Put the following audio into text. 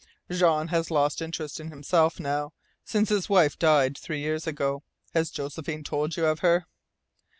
Jean has lost interest in himself now since his wife died three years ago. Has Josephine told you of her?"